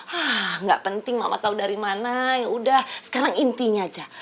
hah gak penting mama tau dari mana yaudah sekarang intinya aja